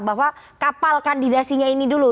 bahwa kapal kandidasinya ini dulu